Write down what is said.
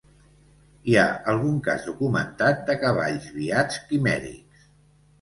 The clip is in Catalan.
Hi ha algun cas documentat de cavalls viats quimèrics.